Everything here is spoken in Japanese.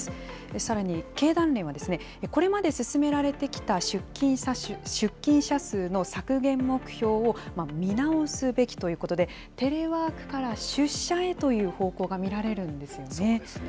さらに経団連は、これまで進められてきた出勤者数の削減目標を見直すべきということで、テレワークから出社へという方向が見られるんですよね。